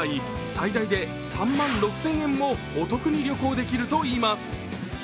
最大で３万６０００円もお得に旅行できるといいます。